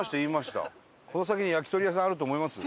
この先に焼き鳥屋さんあると思います？